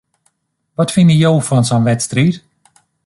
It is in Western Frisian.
Wat fine jo fan sa'n wedstriid?